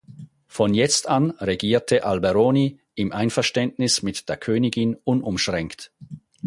Von jetzt an regierte Alberoni im Einverständnis mit der Königin unumschränkt.